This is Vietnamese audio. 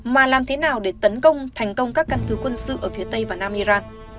mà làm thế nào để tấn công thành công các căn cứ quân sự ở phía tây và nam iran